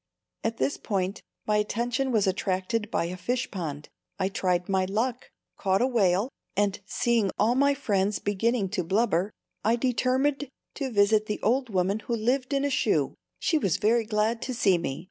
"] At this point my attention was attracted by a fish pond. I tried my luck, caught a whale, and seeing all my friends beginning to blubber, I determined to visit the old woman who lived in a shoe. She was very glad to see me.